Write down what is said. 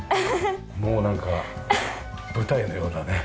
もうなんか舞台のようなね。